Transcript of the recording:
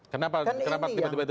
kenapa tiba tiba itu